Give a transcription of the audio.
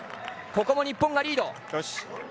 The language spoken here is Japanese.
ここも日本がリード。